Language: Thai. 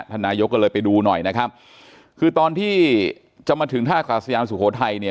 นายกก็เลยไปดูหน่อยนะครับคือตอนที่จะมาถึงท่ากาศยานสุโขทัยเนี่ย